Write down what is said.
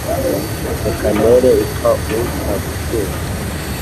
reka ntere ipfa utagutunze,